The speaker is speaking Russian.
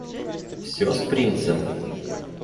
Всё с принцем?